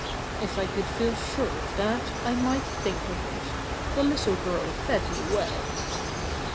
"If I could feel sure of that, I might think of it. The little girl fed me well."